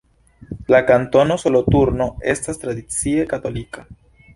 La Kantono Soloturno estas tradicie katolika.